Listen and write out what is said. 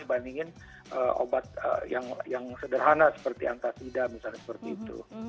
bandingin obat yang sederhana seperti antasida misalnya seperti itu